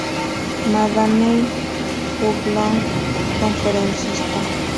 Madame Furlong Conferencista.